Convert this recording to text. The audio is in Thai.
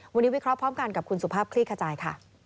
วันนี้วิเคราะห์พร้อมกันกับคุณสุภาพคลี่ขจายค่ะ